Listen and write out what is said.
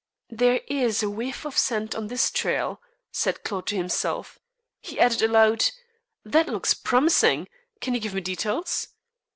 "There is a whiff of scent on this trail," said Claude to himself. He added aloud: "That looks promising. Can you give me details?"